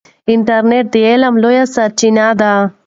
انټرنیټ د علم لویه سرچینه ده.